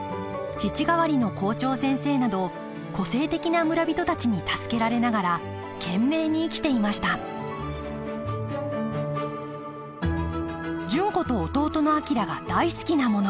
父代わりの校長先生など個性的な村人たちに助けられながら懸命に生きていました純子と弟の昭が大好きなもの。